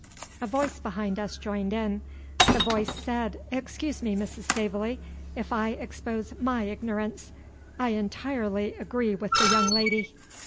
A voice behind us joined in. The voice said: "Excuse me, Mrs. Staveley, if I expose my ignorance. I entirely agree with the young lady."